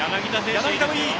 柳田もいい。